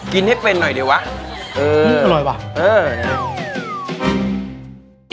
กินให้เป็นหน่อยดีกว่าอืมอร่อยป่ะอืม